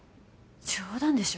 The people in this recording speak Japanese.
冗談でしょ？